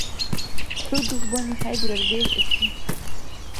Хъу дугьбани хӀебирар белгӀуси.